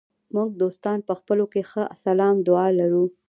موږ دوستان په خپلو کې ښه سلام دعا لرو.